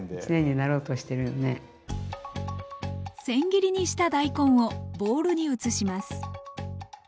せん切りにした大根をボウルに移します。